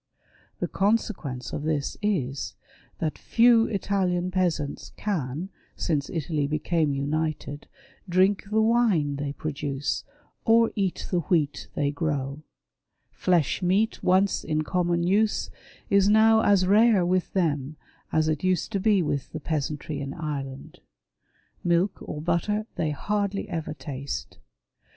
The consequence of this is, that few Italian peasants can, since Italy became " United," drink the wine they produce, or eat the wheat they grow. Flesh meat, once in common use, is now as rare with them, as it used to be with the peasantry in Ireland. Milk or butter they hardly ever taste.